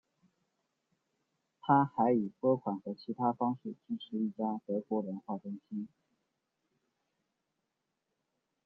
他还以拨款和其他方式支持一家德国文化中心。